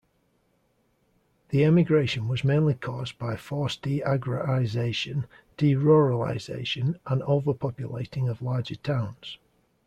The emigration was mainly caused by force deagrarization, deruralization, and overpopulating of larger towns.